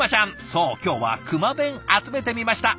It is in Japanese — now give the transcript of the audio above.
そう今日はくま弁集めてみました。